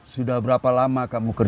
sudah berapa lama kamu ke sini